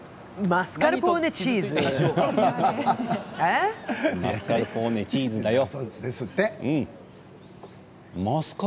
マスカルポーネチーズだよ。